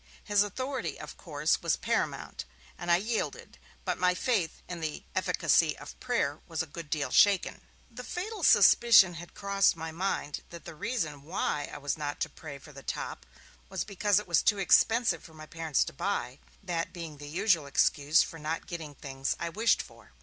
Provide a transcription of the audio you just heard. His authority, of course, was Paramount, and I yielded; but my faith in the efficacy of prayer was a good deal shaken. The fatal suspicion had crossed my mind that the reason why I was not to pray for the top was because it was too expensive for my parents to buy, that being the usual excuse for not getting things I wished for.